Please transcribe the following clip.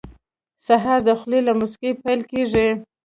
سهار د خولې له موسکۍ پیل کېږي.